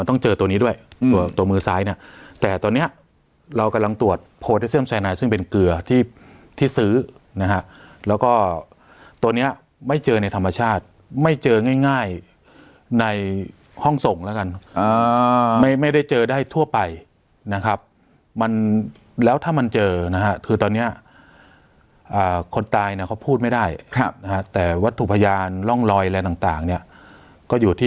ต้องเจอตัวนี้ด้วยตัวมือซ้ายเนี่ยแต่ตอนเนี้ยเรากำลังตรวจโพเดเซียมไซนายซึ่งเป็นเกลือที่ที่ซื้อนะฮะแล้วก็ตัวเนี้ยไม่เจอในธรรมชาติไม่เจอง่ายในห้องส่งแล้วกันไม่ไม่ได้เจอได้ทั่วไปนะครับมันแล้วถ้ามันเจอนะฮะคือตอนเนี้ยคนตายเนี่ยเขาพูดไม่ได้ครับนะฮะแต่วัตถุพยานร่องรอยอะไรต่างเนี่ยก็อยู่ที่